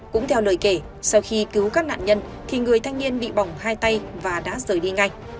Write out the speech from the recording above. cũng theo lời kể sau khi cứu các nạn nhân thì người thanh niên bị bỏng hai tay và đã rời đi ngay